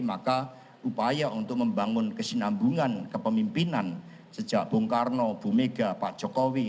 maka upaya untuk membangun kesinambungan kepemimpinan sejak bung karno bu mega pak jokowi